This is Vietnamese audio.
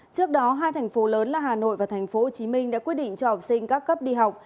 trước đó hai thành phố lớn là hà nội và tp hcm đã quyết định cho học sinh các cấp đi học